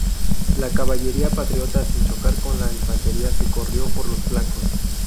La caballería patriota sin chocar con la infantería se corrió por los flancos.